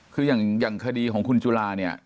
คืออย่างคดีของคุณจุลาเนี่ย